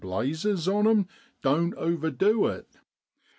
blazers on 'em doan't overdu it.